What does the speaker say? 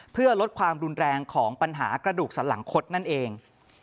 เพื่อลดความรุนแรงของปัญหากระดูกสันหลังคดนั่นเอง